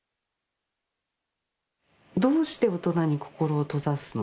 どうして大人に心を閉ざすの？